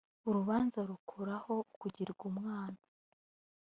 urubanza rukuraho ukugirwa umwana